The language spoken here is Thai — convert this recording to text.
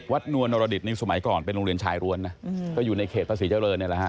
วัดนวรณรดิษฐ์ในสมัยก่อนเป็นโรงเรียนชายร้วนก็อยู่ในเขตต้าศรีเจ้าเริ่มนี่แหละ